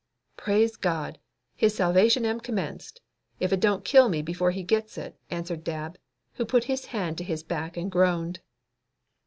"Praise God, his salvation am commenced, if it don't kill me before he gits it," answered Dab, as he put his hand to his back and groaned.